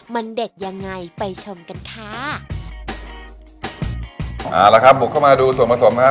มันเด็ดยังไงไปชมกันค่ะเอาละครับบุกเข้ามาดูส่วนผสมฮะ